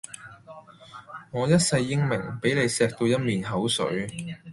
我一世英名，俾你鍚到一面口水